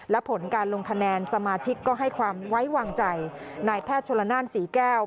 และผลการลงคะแนนสมาชิกก็ให้ความไว้วางใจนายแพทย์ชนละนานศรีแก้ว